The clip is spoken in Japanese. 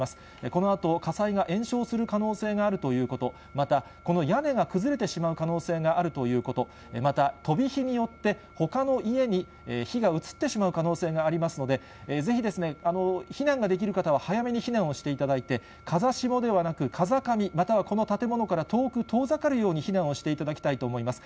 このあと、火災が延焼する可能性があるということ、またこの屋根が崩れてしまう可能性があるということ、また、飛び火によってほかの家に火が移ってしまう可能性がありますので、ぜひ避難ができる方は、早めに避難をしていただいて、風下ではなく、風上、またはこの建物から遠く、遠ざかるように避難をしていただきたいと思います。